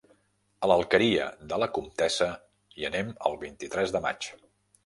A l'Alqueria de la Comtessa hi anem el vint-i-tres de maig.